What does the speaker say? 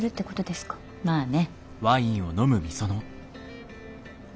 まあね。